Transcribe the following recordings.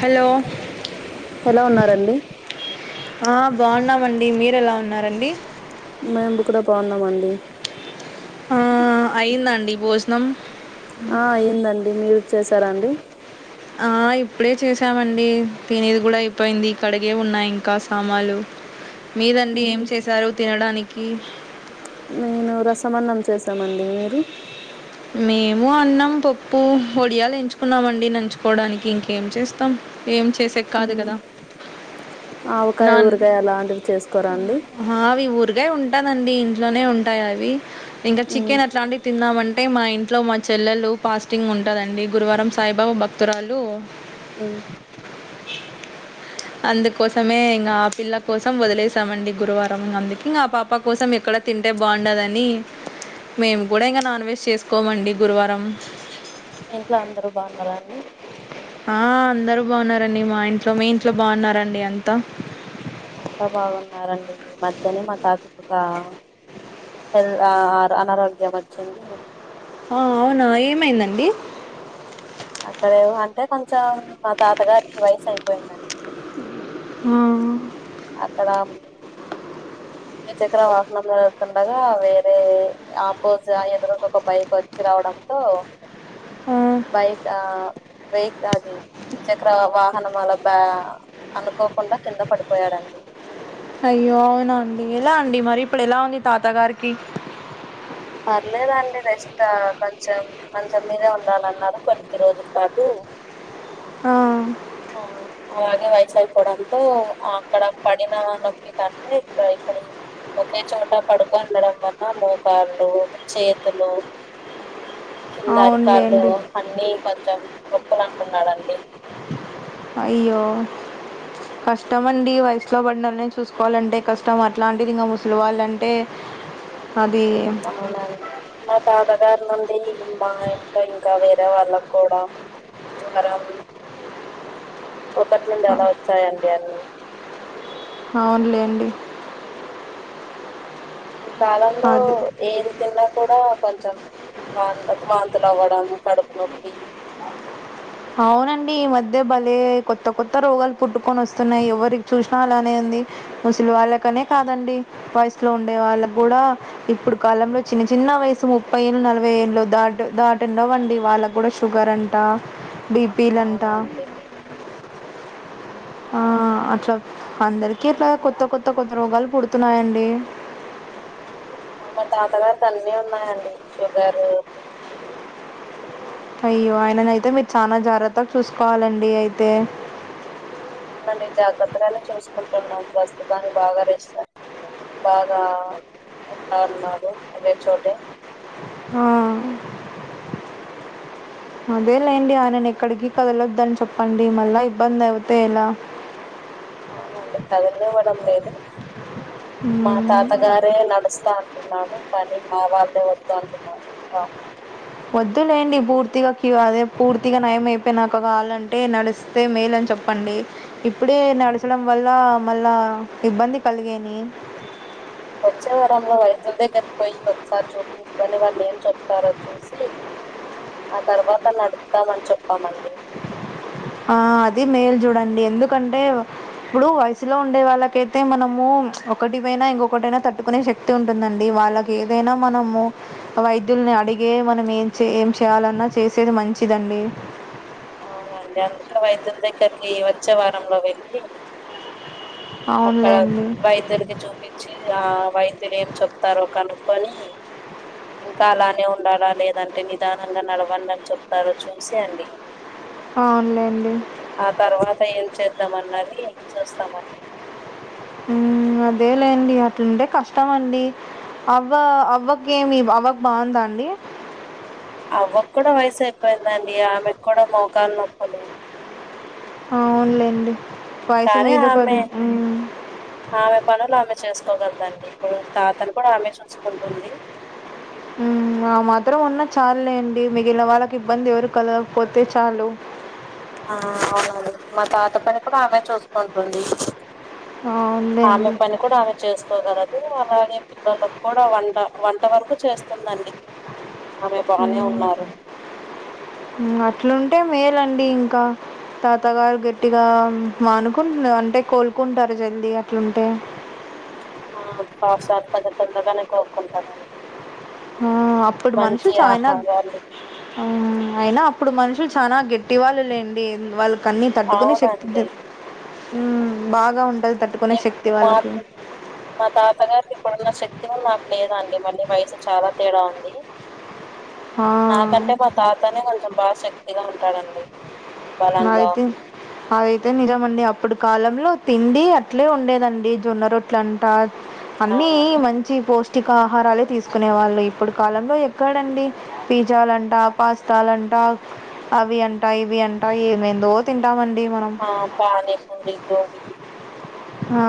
Hello! ఎలా ఉన్నారండి. ఆ బావున్నామండి మీరు ఎలా ఉన్నారండి మేము కూడా బాగున్నామండి. ఆ అయ్యందా అండి భోజనం ఆ అయ్యందండి మీరోచ్చెసారా అండి. ఆ ఇప్పుడే చేసామండి తినేది గుడా అయిపోయింది కడిగే ఉన్నాయి ఇంకా సామానులు అ మీదండి ఏం చేసారు తినడానికి నేను రసమన్నం చేసమండి మీరు మేము అన్నం పప్పు ఒడియాలు ఎంచుకున్నామండి నంచుకోవడానికి ఇంకేం చేస్తాం ఏం చేసే కాదు కద ఆవకాయ ఊరగాయ అలాంటివి చేసుకోరాండి ఆఁ అవి ఊర్గాయ ఉంటదండి ఇంట్లోనే ఉంటాయి అవి ఇంకా ఉమ్. చికెన్ అట్లాంది తిందామంటే మా ఇంట్లో మా చెల్లెలు ఫాస్టింగ్ ఉంటదండి గురువారం సాయిబాబు బక్ ఉత్తరాలు అందుకోసమే ఇంగ ఆ పిల్ల కోసం వదిలేసమండి గురువారం అందుకింక ఆ పాప కోసం ఎక్కడ తింటే బావుండదని మేము గూడ ఇంక నాన్ వెజ్ చేసుకోమండి గురువారం మీ ఇంట్లో అందరు బాగున్నరా అండి ఆఁ అందరూ బాగున్నరండి మా ఇంట్లో మీ ఇంట్లో బాగున్నారండి అంతా అంతా బాగున్నారండి మధ్యనే మా తాతకొక పెల్ ఆఁ ర్ అనారోగ్యం వచ్చింది ఆఁ అవునా ఏమైందండి అక్కడేవొ అంటే కొంచెం మా తాతగారికి వయసు అయిపోయిందండి హుమ్మ్ఁ అక్కడములు ద్వి చక్ర వాహనంలోనే వెళ్తుండగా వేరే ఆపోజ్ ఆ ఎదురుంగ ఒక బైక్ వచ్చి రావడం పో ఆ బైక్ ఆఁ బైక్ అది ద్విచక్ర వాహనం అలా బ్యా అనుకోకుండా కింద పడిపోయడండి అయ్యో అవునాండి ఎలా అండి మరిప్పుడు ఎలా ఉంది తాత గారికి పర్లేదండి రెస్ట్ ఆ కొంచెం మంచం మీదే ఉండాలన్నారు కొద్ది రోజుల పాటు ఆఁ ఆఁ అలాగే వయసైపోవడంతో ఆ అక్కడ పడిన నోప్ ఇక అంతే ఇంకా ఇప్పుడు ఒకే చోట పడుకొని ఉండడం వల్ల మోకాళ్లు చేతులు కింద అరికాళ్ళు అవునులేండి అన్ని కొంచెం నొప్పులు అంటునండండీ అయ్యో కష్టమండి వయసులో పడినోళ్లని చూసుకోవాలంటే కష్టం అట్లాంటిది ఇంక ముసలి వాళ్ళంటే అది అవునండి మా తాతగారి నుండి ఈ మా ఇంక ఇంక వేరే వాళ్లక్కూడా జ్వరం ఒకటి నుండి అలా వచ్చాయండి అన్ని అవునులేండి ఈ కాలంలో అది ఏది తిన్నా కూడా కొంచెం వంత్ వాంతులు అవ్వడం, కడుపు నొప్పి అవునండి ఈ మధ్య భలే కొత్త కొత్త రోగాలు పుట్టుకొని వస్తున్నాయి ఎవరి చూసిన అలానే ఉంది ముసలి వాళ్ళకనే కాదండి వయసులో ఉండేవాళ్ళకి గూడా ఇప్పుడు కాలంలో చిన్న చిన్న వయసు ముప్పైయేండ్లు నలభైయేండ్లు దాట్ దాటుండవ్వండి వాళ్ళకి కూడ షుగర్ అంట డిబ్ అవునండీ ఆఁ అట్ల అందరికిీ అట్లా కొత్త కొత్త రోగాలు పుడుతున్నాయండి. ఆ మా తాత గారికి అన్ని ఉన్నాయండి షుగరు, బీపి అయ్యో ఆయన అయితే మీరు చాలనా జాగ్రత్తగా చూసుకోవాలండి అయితే. అవునండి జాగ్రత్తగానే చూసుకుంటున్నాం. ప్రస్తుతానికి బాగా రెస్ట్ బాగా ఉంటాన్నాడు ఒకే చోటే ఆ అదే లేండి ఆయనను ఎక్కడికి కదలొద్దని చెప్పండి. మళ్ళా ఇబ్బంది అయితే ఎలా? అవునండి కదలినివ్వడం లేదు. మా తాతగారే నడుస్తా అంటున్నాడు. కానీ మా వాళ్ళే వద్దు అంటున్నారు. ఇంకా వద్దులేండి పూర్తిగా క్యు అదే పూర్తిగా నయం అయిపోయినాక కావాలంటే న డిస్తే మేలని చెప్పండి. ఇప్పుడే నడచడం వల్ల మళ్ళా ఇబ్బంది కలిగేని వచ్చే వారంలో వైద్యుల దగ్గరికి పోయి ఒకసారి చూపించుకొని వాళ్ళు ఏం చెప్తారో చూసి ఆ తర్వాత నడుపుతామని చెప్పామండి. ఆ అది మేల్ చూడండి ఎందుకంట? ఇప్పుడు వయసులో ఉండే వాళ్ళకైతే మనము ఒకటి పైన ఇంకొకటి అయినా తట్టుకునే శక్తి అట్లే ఉంటుందండి వాళ్ళకి ఏదైనా మనము వైద్యుల్ని అడిగే మనం ఏం చేయాలన్నా చేసేది మంచిదండి. అవునండి అందుకే వైద్యుల దగ్గరికి వచ్చే వారంలో వెళ్ళి అక్కడ అవునులేండి వైద్యునికి చూపించి ఆ వైద్యులు ఏం చెప్తారో కనుక్కొని ఇంకా అలానే ఉండాలా లేదంటే నిదానంగా నడవండి అని చెప్తారో చూసి అండి అవునులేండి. ఆ తర్వాత ఏం చేద్దాం అన్నది చూస్తామండి. అదే లేండి అట్లుంటే కష్టమండి. అవ్వ అవ్వకేమి అవ్వకు బాగుందా అండి. అవ్వకు కూడా వయసు అయిపోయిందండి. ఆమెకు కూడా మోకాలు నొప్పులు. అవునులేండి వయసు కానీ మీద ఆమె పడి హ్మ్. ఆమె పనులు ఆమె చేసుకోగలదండి. ఇప్పుడు తాతను కూడా ఆమె చూసుకుంటుంది. ఆ మాత్రం ఉన్న చాలులేండి, మిగిలిన వాళ్ళకి ఇబ్బంది ఎవరు కలగకపోతే చాలు. ఆ అవునండి. మా తాత పని కూడా అగాే చూసుకుంటుంది. ఆమె అవునులేండి. పని కూడా ఆమె చేసుకోగలదు. అలాగే పిల్లలలకు కూడా వంట, వంట వరకు చేస్తుందండి. ఆమె బానే మ్ ఉన్నారు అట్లుంటే మేలండి ఇంక తాతగారు గట్టిగా మానుకుంట అంటే కోలుకుంటారు జల్ది అట్లుంటే. ఆ పాప్ సార్ పద తొందరగానే కోలుకుంటారండి. ఆ అప్పుడు మనుషి అయినా ఆహారాలు మ్ అయినా అప్పుడు మనుషులు చానా గట్టివాళ్ళు లేండి వాళ్ళ అన్నీ తట్టుకునే శక్తి అవునండి బాగా ఉంటాది. తట్టు ఏం మార్పు మా తాత గారి ఇప్పుడున్న శక్తి నాకు లేదండి మళ్ళీ వయసు చాలా తేడా ఉంది. ఆ నాకంటే మా తాతనే కొంచెం బాగా శక్తిగా ఉంటాడండి. నా బలంగా అయితే అదైతే నిజమండి అప్పుడు కాలంలో తిండి అట్లే ఉండేదండి జొన్న రొట్ట ట్లంట ఆ అన్ని మంచి పౌష్టి కాహారాలే తీసుకునే వాళ్ళు ఇప్పుడు కాలంలో ఎక్కడండి పిజ్జాలంట పాస్తాలంట అవి అంట ఇవి అంట ట ఏమైందో ఏమైందో తింటామండి మనం ఆ పానీ పూరి గోబీకి ఆ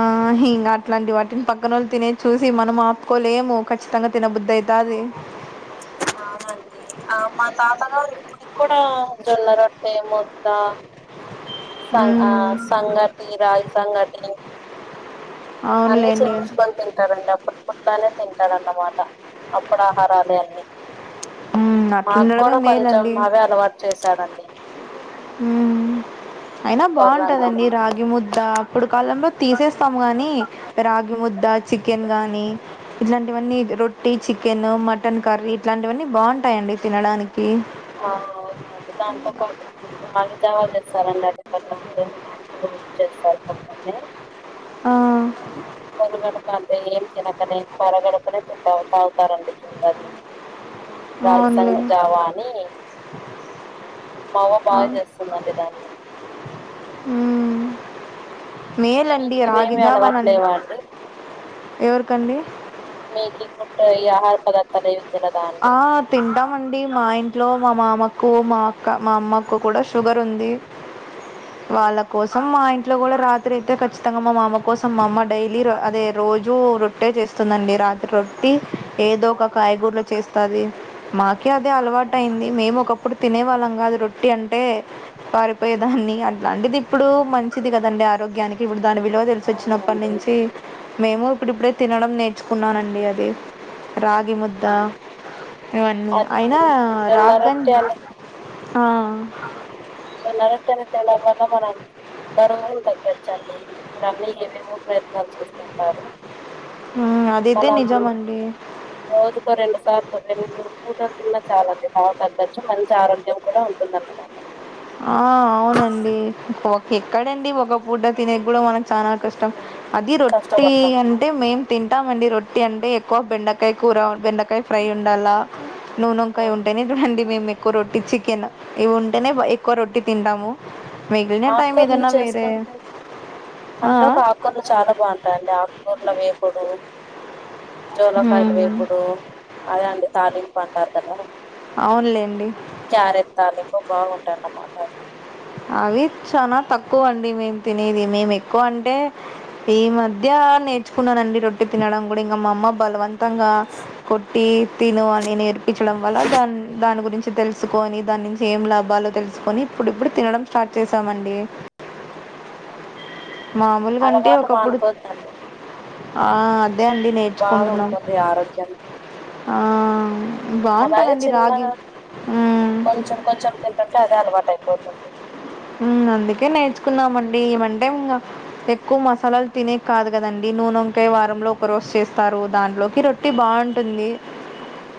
ఇంగ అట్లాంటి వాటిని పక్కనోళ్ళు తినేది చూసి మనం ఆపుకోలేము ఖచ్చితంగా తినబుద్ది అయితాది అవునండి ఆ మా తాతగారు ఇప్పుడికి కూడా జొన్న రొట్టె ముద్ద సం ఆ మ్మ్ సంగటి రాగి సంగటి అన్ని అవునులేండి చేయిపించుకుని తింటాడండి ఆ పొద్దుగాలే తింటాడన్నమాట అప్పుడి ఆహారాలు అన్నీ మ్మ్ మాకు అట్లుండడమే కూడా కొంచెం మేలండి అవే అలవాటు చేశాడండి ఉమ్ అయినా కొర్రన్నం బాగుంటదండి రాగి ముద్ద అప్పుడు కాలంలో తీసేస్తాము గాని రాగి ముద్ద చికెన్ గాని ఇట్లాంటివన్నీ రొట్టి చికెన్ మటన్ కర్రీ ఇట్లాంటివన్నీ బాగుంటాయండి తినడానికి అవునవును అవునవును దాంతో పాటు మా పద్దవా చేస్తారండి అటు పక్కన రోజు చేస్తారు పొద్దున్నే ఆ పొరగడుపు అంటే ఏం తినకనే పొరగడుపనే తింటాం తాగుతారండి చూడాలి రాగి అవునులే సంగటి జావాని మా అవ్వ ఆ బాగా చేస్తుందండి దాన్ని మ్మ్ మేలండి మీకు ఇవేమి రాగిజావా అలవాట్లేవా అండి ఎవరికండి మీకి ఫుడ్ ఈ ఆహార పదార్థాలు ఇవి ఆ తింటామండి మా ఇంట్లో మా మామకు మా అక్క మా అమ్మకు కూడా షుగర్ ఉంది వాళ్ళ కోసం మా ఇంట్లో కూడా రాత్రి అయితే ఖచ్చితంగా మా మామ కోసం మా అమ్మ డైలీ అదే రోజూ రొట్టే చేస్తుందండి రాత్రి రొట్టీ ఏదో ఒక అవును కాయగూరలు చేస్తుంది మాకే అదే అలవాటయింది మేము ఒకప్పుడు తినే వాళ్ళం కాదు రొట్టి అంటే పారిపోయేదాన్ని అట్లాంటిది ఇప్పుడు మంచిది కదండి ఆరోగ్యానికి ఇప్పుడు దాని విలువ తెలిసోచ్చినప్పుడు అవునండి ప్పటినుంచి మేము ఇప్పుడు ఇప్పుడే తినడం నేర్చుకున్నానండి అది రాగి ముద్ద ఇవన్నీ అది అయినా జొన్న రాగ్ గంజ్ ఆ జొన్నరోట్టే అంటే ఎలా వళ్ళ మనం బరువు కూడా తగ్గచ్చండి ఇప్పుడు అన్ని ఏవేవో ప్రయత్నాలు చేస్తుంటారు ఉమ్ అదైతే మనం నిజమండి రోజుకో రెండు సార్లు రెండు పూటలు తిన్నా చాలా అండి లావు బాగా తగ్గచ్చు మంచి ఆరోగ్యం కూడా ఉం టుందన్నమాట ఆ అవునండి ఒకే ఎక్కడండి ఒక పూట తినేకి కూడా మనకు చానా కష్టం అది రొట్టీ కష్టపడతాం అ అంటే మేము తింటామండి రొట్టి అంటే ఎక్కువ బెండకాయ కూర బెండకాయ ఫ్రై ఉండాలా, ఆ నూనెంకాయ ఉంటేనే చ రండి మేము ఎక్కువ రొట్టి చికెన్ ఇవి ఉంటేనేక్, ఒక్క రొట్టి తింటాము మిగిలిన టైమ్ ఆకుకూరలు ఏదన్నా వేరే కొత్త చాట్ బాగుంటాయిడి ఆకుకూరల వేకుడు. జోలాకాయలు మ్మ్. వేపుడు అద అండి తాలింపు అంటారు కదా, అవునులేండి. క్యారెట్ తాలింపు బాగుంటాయి అన్నమాట, అవి చాల తక్కువ అండి మేము తినేది మేము ఎక్కువ అంటే, ఈ మధ్య నేర్చుకున్నానండి రొట్టి తినడం కూడా ఇంకా మా అమ్మ బలవంత, తంగా కొట్టి తిను అని నేర్పించడం వల్ల దాని దాని గురించి, తెల్సుకొనీ దాని నుంచి ఏం లాభలో తెల్సుకోని ఇప్పుడు ఇప్పుడు తినడం స్టార్ట్ చేసామండి. మామూలు గంటే అలవాటు ఒకప్పుడు మానుకోవద్దండి ఆహ్, అదే అండి నేర్చుకుంటున్నాం బాగుంటుంది ఆరోగ్యం ఆహ్ అలాగే బాగుంటదండి చిన్నగా రాగీ, కొంచెం కొంచెం తినట్టే అదే అలవాటు అయిపోతుంది. ఉమ్మ్ అందుకే నేర్చుకున్నామండి ఇమంటెంగ్, ఎక్కువ మసాలాలు తినే కాదు గదండి నూనోంకా య్ వారంలో ఒక రోజు చేస్తారు దాంట్లోకి రొట్టు. ట్టి బాగుంటుంది.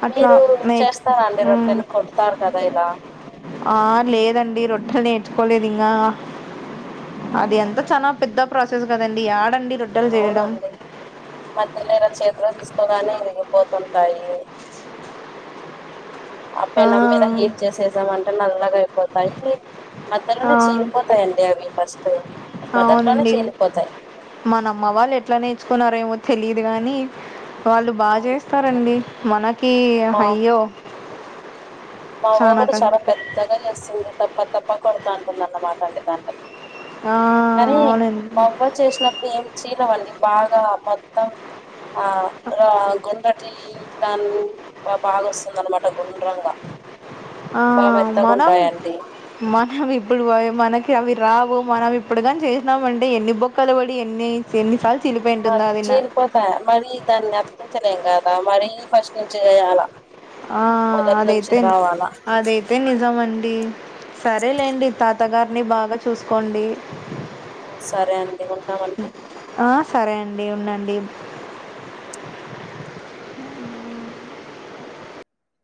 అట్లా మీరూ నేర్చు చేస్తారండి రొట్టెలు కొడతారు కదా ఇలా. ఆహ్ లేదండి రొట్టెలు నేర్చుకోలేదు ఇంగ అది అవునా ఎంతొ చానా. పెద్ద ప్రాసెస్ గదండి ఆడండి రో అవునండి మధ్య ఇలా చేతిలో తీసుకోగానే విరిగిపోతుంటాయి. ఆ పెనం మీద హీట్ చేసేసాం అంటే నల్లగ అయిపోతాయి ఆ మధ్యలోనే చీలిపోత, తాయిండి అవి ఫస్ట్ మొదట్లోనే అవునండి చీ లిపోతాయి. మన అమ్మ వాళ్ళు ఎట్లా నేర్చుకున్నారేమో తెలిదు గాని. వాళ్ళు బాగా అవునండి చేస్తారండి మనకీ మా అయ్యో, మా చానా మొగుడు కష్టం చాలా పెద్దగా చేస్తుంది తప్ప తప్ప కొడుతా అంటుందిన్నమాట అండి దాన్లోకి. ఆ కానీ అవునండి మా అవ్వ చేసినప్పుడు ఏం చీలవన్నీ బాగా మొత్తం. ఆహ్ గుండ్రటి దాని బాగా వస్తుదనమాట గుండ్రంగా, అహ్ బాగా హ్ మెత్తగా మనం, ఉంటాయండి మనం ఇప్పుడు పోయి మనకి అవి రావు మనం ఇప్పుడు గని చేసినామంటే ఎన్ని బొక్కలు బడి ఎన్ని. ఎన్నిసార్లు చీలిపోయి ఉంటుందో అదిన పోతాయి మరీ దాన్ని అతికిచలేం గాదా మరీ ఫస్ట్ నుంచి చేయాల. హా అదైతే అదేతే ని ఉంటామండి సరేలేండి తాతగారిని బాగా చూసుకోండి. ఆహ్ సరే అండి ఉంటామండి. ఆహ్ సరే అండి ఉండండి.